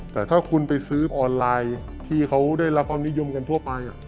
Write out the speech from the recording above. แต่ถ้าคุณไปซื้อออนไลน์ที่เขาได้รับความนิยมกันทั่วไป